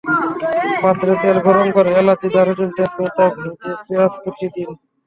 পাত্রে তেল গরম করে এলাচি, দারুচিনি, তেজপাতা ভেজে পেঁয়াজ কুচি দিন।